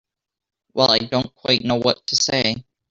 Well—I don't quite know what to say.